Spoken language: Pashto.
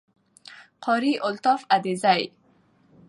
Qari Altaf Adezai